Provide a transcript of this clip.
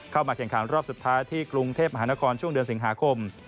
แข่งขันรอบสุดท้ายที่กรุงเทพมหานครช่วงเดือนสิงหาคม